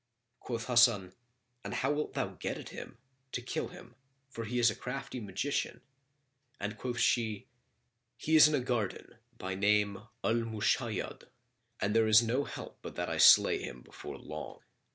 Quoth Hasan, "And how wilt thou get at him, to kill him, for he is a crafty magician?"; and quoth she, "He is in a garden by name Al Mushayyad,[FN#38] and there is no help but that I slay him before long."